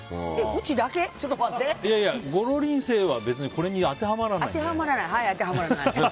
ごろりんは別にこれには当てはまらないので。